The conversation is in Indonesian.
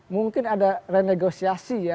mungkin ada renegosiasi ya